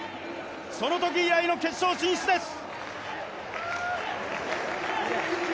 そのとき以来の決勝進出です。